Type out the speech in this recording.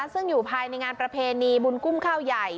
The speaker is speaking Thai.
ซึ่งอยู่ภายในงานประเพณีบุญกุ้มข้าวใหญ่